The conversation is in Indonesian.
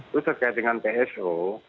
terkait dengan pso